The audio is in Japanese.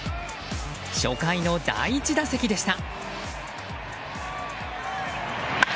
初回の第１打席でした。